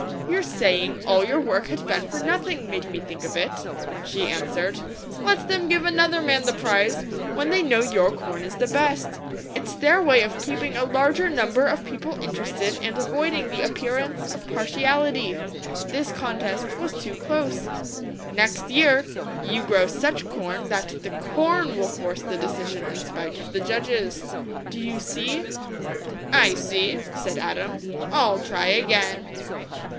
"Your saying all your work had been for nothing, made me think of it," she answered. "Let them give another man the prize, when they know your corn is the best. It's their way of keeping a larger number of people interested and avoiding the appearance of partiality; this contest was too close; next year, you grow such corn, that the CORN will force the decision in spite of the judges. Do you see?" "I see," said Adam. "I'll try again."